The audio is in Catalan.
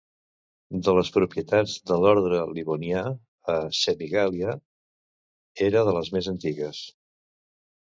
De les propietats de l'Orde Livonià a Semigàlia, era de les més antigues.